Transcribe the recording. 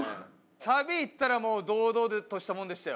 サビいったらもう堂々としたもんでしたよ。